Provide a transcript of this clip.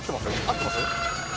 合ってます？